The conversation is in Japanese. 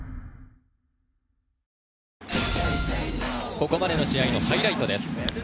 ここまでの試合のハイライトです。